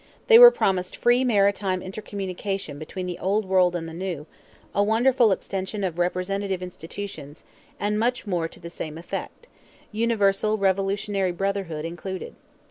They were promised 'free' maritime intercommunication between the Old World and the New, a wonderful extension of representative institutions, and much more to the same effect, universal revolutionary brotherhood included.